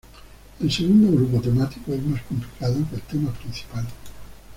El segundo grupo temático es más complicado que el tema principal.